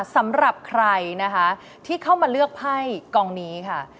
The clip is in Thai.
สำหรับใครนะคะที่เข้ามาเลือกไพ่กองนี้ค่ะ